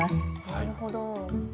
なるほど。